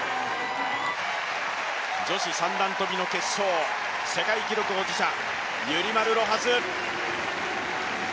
女子三段跳の決勝、世界記録保持者ユリマル・ロハス。